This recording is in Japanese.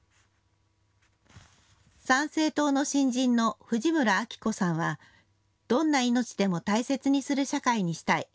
参政党の新人の藤村晃子さんはどんな命でも大切にする社会にしたい。